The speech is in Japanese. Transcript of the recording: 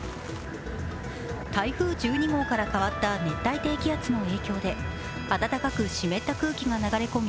台風１２号から変わった熱帯低気圧の影響で暖かく湿った空気が流れ込み